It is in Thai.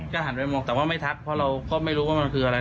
ก็หันไปมองแต่ว่าไม่ทักเพราะเราก็ไม่รู้ว่ามันคืออะไร